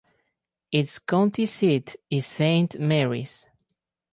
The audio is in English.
Its county seat is Saint Marys.